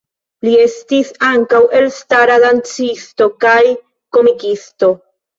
Li estis ankaŭ elstara dancisto kaj komikisto.